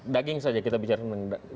daging saja kita bicara tentang daging